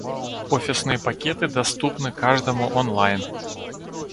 Офисные пакеты доступны каждому онлайн.